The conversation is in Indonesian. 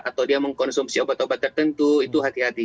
atau dia mengkonsumsi obat obat tertentu itu hati hati